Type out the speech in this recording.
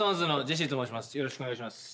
よろしくお願いします。